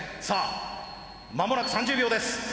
さあまもなく３０秒です。